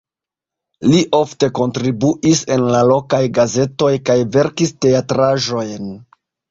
Li ofte kontribuis en la lokaj gazetoj kaj verkis teatraĵojn.